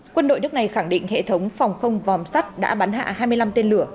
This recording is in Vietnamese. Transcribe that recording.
quân đội nước này khẳng định hệ thống phòng không vòm sắt đã bắn hạ hai mươi năm tên lửa